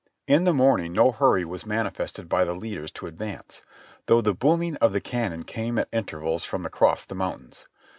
In the morning no hurry was manifested by the leaders to ad vance, though the booming ot the cannon came at intervals from across the mountains.